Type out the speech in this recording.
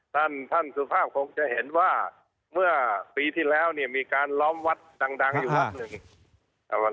ท่านท่านสุภาพคงจะเห็นว่าเมื่อปีที่แล้วเนี่ยมีการล้อมวัดดังดังอยู่วัดหนึ่ง